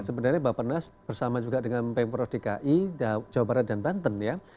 sebenarnya bapak nas bersama juga dengan pemprov dki jawa barat dan banten ya